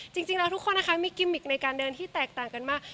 จริงแล้วทุกคนนะคะมีกิมมิกในการเดินที่แตกต่างกันมาก